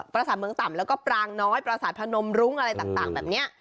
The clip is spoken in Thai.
ภาษาเมืองต่ำแล้วก็ปรางน้อยประสาทพนมรุ้งอะไรต่างแบบนี้